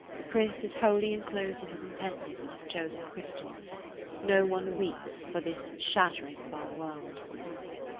Chris is wholly inclosed in his intentness on his chosen crystal. No one weeps for this shattering of our world.